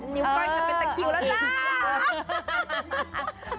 นิ้วก้อยจะเป็นตะคิวแล้วล่ะ